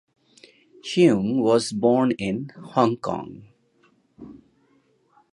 Cheung was born in Hong Kong.